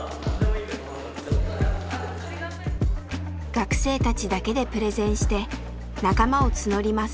学生たちだけでプレゼンして仲間を募ります。